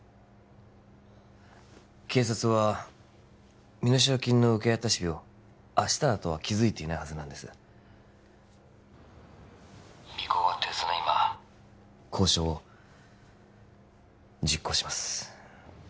警察は身代金の受け渡し日を明日だとは気づいていないはずなんです尾行が手薄な今交渉を実行します